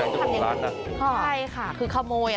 ใช่ค่ะบางนี้คือขโมย